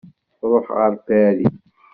Tṛuḥ ɣer Paris.